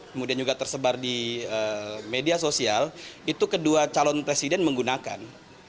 kemudian juga tersebar di media sosial itu kedua calon presiden menggunakan